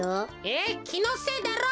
えっ？きのせいだろ。